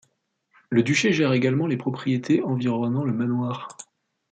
Le duché gère également les propriétés environnant le manoir.